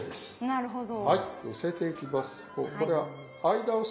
なるほど。